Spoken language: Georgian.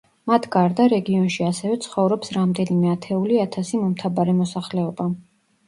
მათ გარდა რეგიონში ასევე ცხოვრობს რამდენიმე ათეული ათასი მომთაბარე მოსახლეობა.